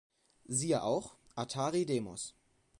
Siehe auch: Atari Demos